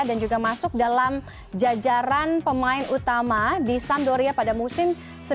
dan juga masuk dalam jajaran pemain utama di sampdoria pada musim seribu sembilan ratus sembilan puluh enam seribu sembilan ratus sembilan puluh tujuh